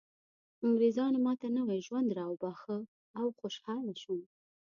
انګریزانو ماته نوی ژوند راوباښه او خوشحاله شوم